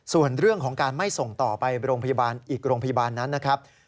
ส่วนเรื่องของการไม่ส่งต่อไปโรงพยาบาลอีกโรงพยาบาลนั้นนะครับ